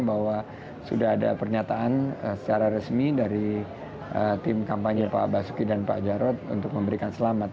bahwa sudah ada pernyataan secara resmi dari tim kampanye pak basuki dan pak jarod untuk memberikan selamat